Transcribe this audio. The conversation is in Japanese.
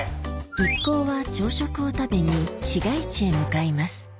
一行は朝食を食べに市街地へ向かいます